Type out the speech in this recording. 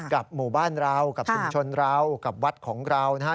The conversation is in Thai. กับหมู่บ้านเรากับชุมชนเรากับวัดของเรานะฮะ